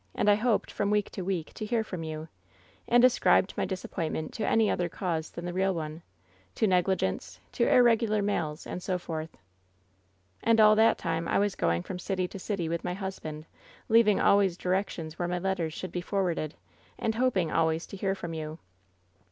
And I hoped, from week to week, to hear from you, and ascribed my disappointment to any other cause than the real one — to negligence, to irregular mails, and so forth.' " *And all that time I was going from city to city with my husband, leaving always directions where my letters should be forwarded, and hoping always to hear from you.'